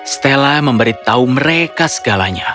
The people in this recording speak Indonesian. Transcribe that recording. stella memberitahu mereka segalanya